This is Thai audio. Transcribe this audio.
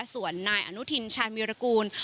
ส่วนนายอนุทินชาญวิรากูล